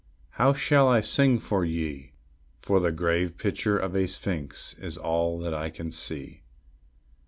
how shall I sing for ye? For the grave picture of a sphinx is all that I can see.